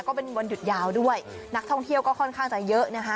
ก็เป็นวันหยุดยาวด้วยนักท่องเที่ยวก็ค่อนข้างจะเยอะนะคะ